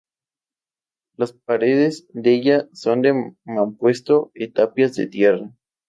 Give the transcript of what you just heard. Las paredes della son de mampuesto e tapias de tierra.